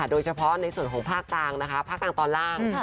โดยเฉพาะในส่วนของภาคกลางนะคะภาคกลางตอนล่าง